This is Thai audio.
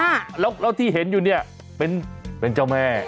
แล้วที่เห็นอยู่เนี่ยเป็นเจ้าแม่